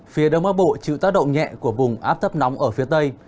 phía đông bắc bộ chịu tác động nhẹ của vùng áp thấp nóng ở phía tây